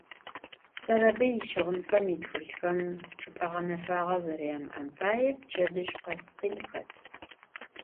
Serebıy yişığınxem, yitxılhxem çç'ıp'e ğenefage zeryamı'em paê pçedıj khes khin xet.